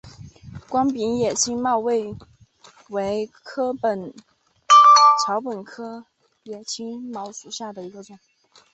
光柄野青茅为禾本科野青茅属下的一个种。